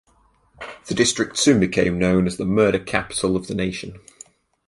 The District soon became known as the "murder capital" of the nation.